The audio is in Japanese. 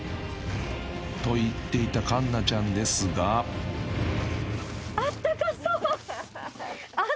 ［と言っていた環奈ちゃんですが］あったかそう！